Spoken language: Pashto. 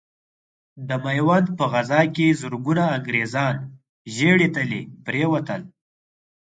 د ميوند په غزا کې زرګونه انګرېزان ژړې تلې پرې وتل.